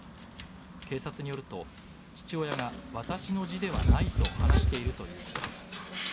警察によると父親が私の字ではないと話しているということです。